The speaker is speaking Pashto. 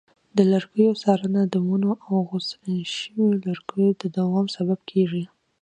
د لرګیو څارنه د ونو او غوڅ شویو لرګیو د دوام سبب کېږي.